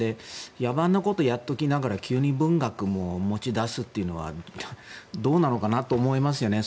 野蛮なことをやっておきながら急に文学を持ち出すというのはどうなのかなと思いますよね。